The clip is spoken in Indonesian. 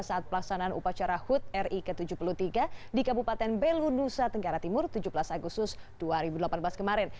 saat pelaksanaan upacara hud ri ke tujuh puluh tiga di kabupaten belu nusa tenggara timur tujuh belas agustus dua ribu delapan belas kemarin